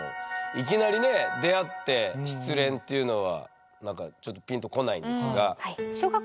いきなりね出会って失恋っていうのは何かちょっとピンと来ないんですが。